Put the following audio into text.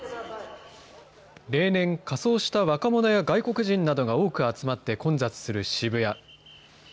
例年、仮装した若者や外国人などが多く集まって混雑する渋谷。